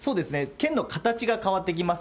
剣の形が変わってきます。